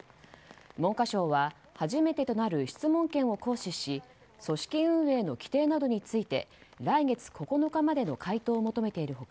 文科省は初めてとなる質問権を行使し組織運営の規定などについて来月９日までの回答を求めている他